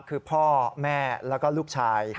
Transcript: คือพ่อแม่แล้วก็ลูกชาย